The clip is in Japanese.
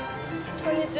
こんにちは。